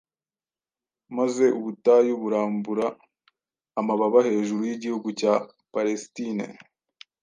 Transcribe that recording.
maze Ubutayu burambura amababa hejuru y’igihugu cya Palesitine